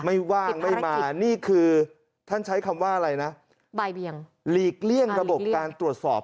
ไม่ว่างไม่มาท่านใช้คำว่าอะไรรีกลี่ยั่งระบบการตรวจสอบ